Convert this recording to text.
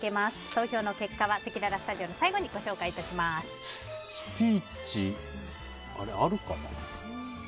投票の結果はせきららスタジオのスピーチあるかな？